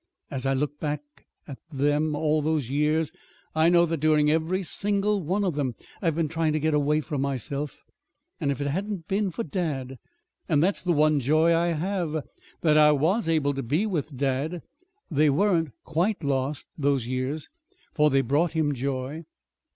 As I look back at them all those years I know that during every single one of them I've been trying to get away from myself. If it hadn't been for dad and that's the one joy I have: that I was able to be with dad. They weren't quite lost those years, for they brought him joy."